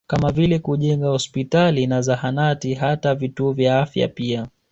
Kama vile kujenga hospitali na zahanati hata vituo vya afya pia